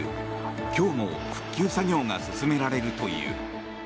今日も復旧作業が進められるという。